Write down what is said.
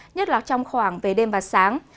nhất là trong khoảng về đêm và sáng